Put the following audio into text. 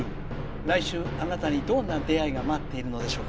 来週あなたに、どんな出会いが待っていることでしょう。